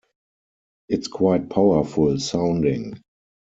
It's quite powerful sounding.